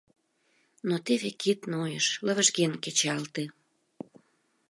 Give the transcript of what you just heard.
Но теве кид нойыш, лывыжген кечалте.